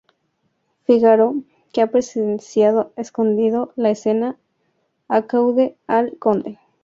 Fígaro, que ha presenciado escondido la escena, acude al Conde.